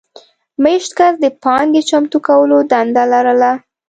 مېشت کس د پانګې چمتو کولو دنده لرله.